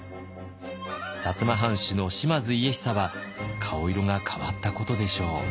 摩藩主の島津家久は顔色が変わったことでしょう。